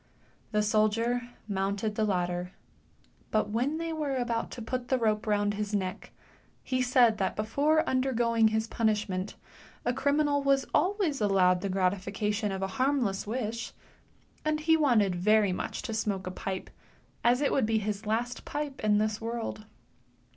The soldier mounted the ladder, but when they were about to put the rope round his neck, he said that before undergoing his punishment a criminal was always allowed the gratification of a harmless wish, and he wanted very much to smoke a pipe, as it would be his last pipe in this world.